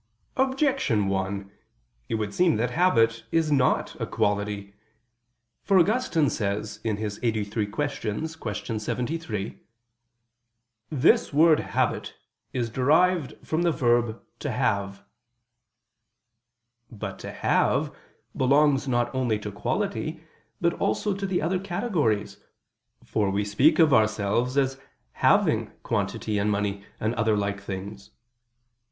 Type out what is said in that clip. Objection 1: It would seem that habit is not a quality. For Augustine says (QQ. lxxxiii, qu. 73): "this word 'habit' is derived from the verb 'to have.'" But "to have" belongs not only to quality, but also to the other categories: for we speak of ourselves as "having" quantity and money and other like things.